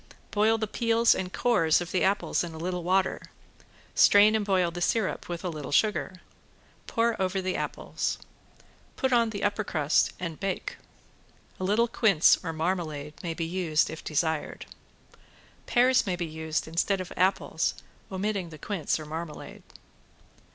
Boil the peels and cores of the apples in a little water, strain and boil the syrup with a little sugar. Pour over the apples. Put on the upper crust and bake. A little quince or marmalade may be used, if desired. Pears may be used instead of apples, omitting the quince or marmalade.